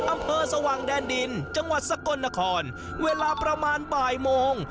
อำเภอสว่างแดนดินจังหวัดสกลนครเวลาประมาณบ่ายโมง